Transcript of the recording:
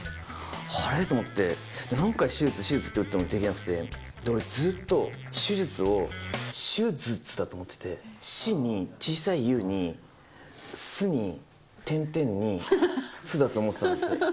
あれと思って、何回手術、手術って打ってもできなくて、俺ずっと、手術をしゅずつだと思ってて、しに、小さいゆに、すにてんてんに、つだと思ってたの。